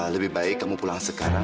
lebih baik kamu pulang sekarang